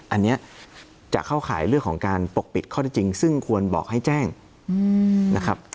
อันนี้จะเข้าข่ายเรื่องของการปกปิดข้อได้จริงซึ่งควรบอกให้แจ้งนะครับ